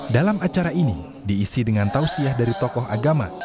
dalam acara ini diisi dengan tausiah dari tokoh agama